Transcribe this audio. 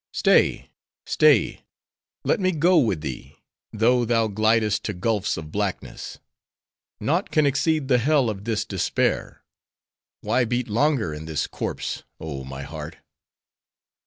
"Stay, stay! let me go with thee, though thou glidest to gulfs of blackness;—naught can exceed the hell of this despair!—Why beat longer in this corpse oh, my heart!"